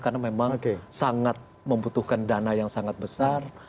karena memang sangat membutuhkan dana yang sangat besar